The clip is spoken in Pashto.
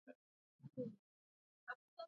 خاوره د افغانانو د فرهنګي پیژندنې برخه ده.